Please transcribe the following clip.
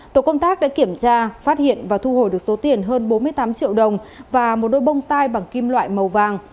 tổ công tác đã kiểm tra phát hiện và thu hồi được số tiền hơn bốn mươi tám triệu đồng và một đôi bông tai bằng kim loại màu vàng